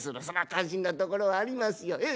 そら感心なところはありますよ。